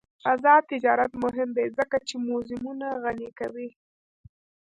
آزاد تجارت مهم دی ځکه چې موزیمونه غني کوي.